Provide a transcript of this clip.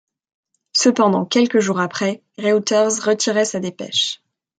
Cependant, quelques jours après, Reuters retirait sa dépêche.